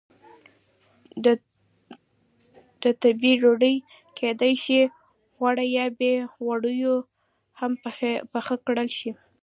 د تبۍ ډوډۍ کېدای شي غوړه یا بې غوړیو هم پخه کړل شي.